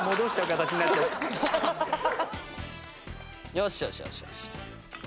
よしよしよしよし。